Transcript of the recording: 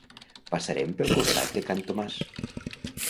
Passarem pel costat de can Tomàs